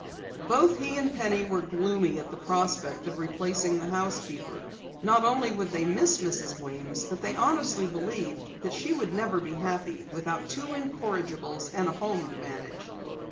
Both he and Penny were gloomy at the prospect of replacing the housekeeper. Not only would they miss Mrs. Weems but they honestly believed that she would never be happy without two incorrigibles and a home to manage.